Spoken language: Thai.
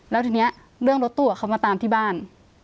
แล้วทีนี้เรื่องรถตู้กับเขามาตามที่บ้าน